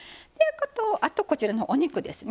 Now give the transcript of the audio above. あとこちらのお肉ですね。